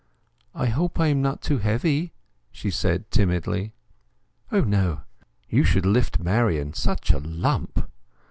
"I hope I am not too heavy?" she said timidly. "O no. You should lift Marian! Such a lump.